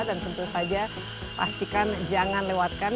dan tentu saja pastikan jangan lewatkan